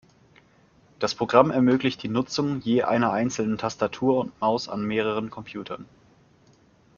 Das Programm ermöglicht die Nutzung je einer einzelnen Tastatur und Maus an mehreren Computern.